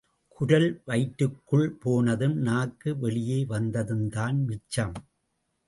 குரல் வயிற்றுக்குள் போனதும், நாக்கு வெளியே வந்ததும்தான் மிச்சம்.